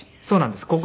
そうなんです。